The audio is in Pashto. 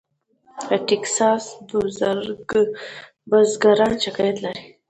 ټیکساس بزګران شکایت لري.